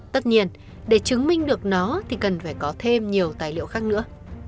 tất nhiên để chứng minh được nó thì cần phải có thêm nhiều tài liệu khác nữa